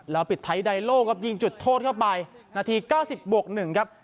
แล้วปิดไทดายโลกับยิงจุดโทษเข้าไปนัดที่เก้าสิบบวกหนึ่งครับ